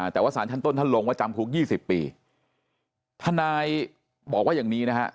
แต่ว่าสารชั้นต้นท่านลงว่าจำคุก๒๐ปีทนายบอกว่าอย่างนี้นะฮะ